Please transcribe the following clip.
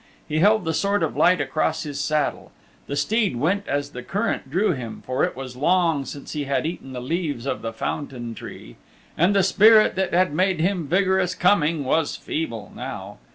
He held the Sword of Light across his saddle. The Steed went as the current drew him, for it was long since he had eaten the leaves of the Fountain Tree, and the spirit that had made him vigorous coming was feeble now.